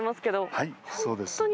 はい、そうです。